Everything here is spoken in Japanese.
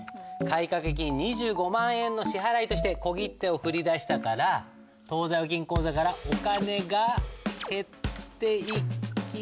買掛金２５万円の支払いとして小切手を振り出したから当座預金口座からお金が減っていき。